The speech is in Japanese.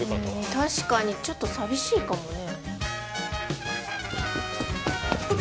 確かにちょっと寂しいかもね。